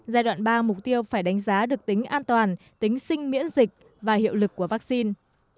giai đoạn ba mục tiêu phải đánh giá được tính an toàn tính sinh miễn dịch và hiệu lực của vaccine